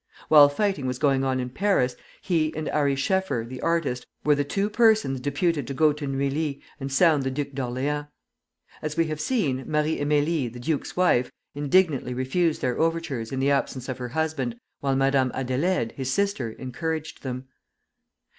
While fighting was going on in Paris, he and Ary Scheffer, the artist, were the two persons deputed to go to Neuilly and sound the Duke of Orleans. As we have seen, Marie Amélie, the duke's wife, indignantly refused their overtures in the absence of her husband, while Madame Adélaïde, his sister, encouraged them.